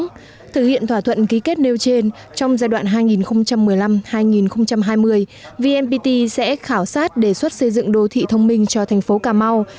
trong thực hiện thỏa thuận ký kết nêu trên trong giai đoạn hai nghìn một mươi năm hai nghìn hai mươi vnpt sẽ khảo sát đề xuất xây dựng đô thị thông minh cho thành phố cà mau